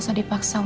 saya nggak kerjain